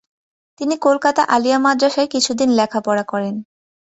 তিনি কলকাতা আলিয়া মাদ্রাসায় কিছুদিন লেখাপড়া করেন।